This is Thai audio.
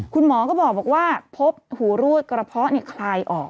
คุณหมอก็บอกว่าพบหูรวดกระเพาะคลายออก